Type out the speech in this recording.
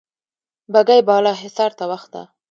بګۍ بالا حصار ته وخته.